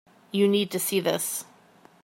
You need to see this.